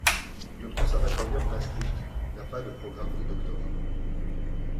Le Conservatorium Maastricht n'a pas de programme de doctorat.